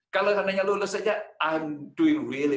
kalau seandainya lulus saja saya melakukan dengan sangat baik